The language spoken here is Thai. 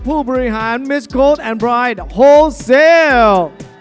ผู้บริหารมิสโคลดแอนด์บรายด์โฮลซีล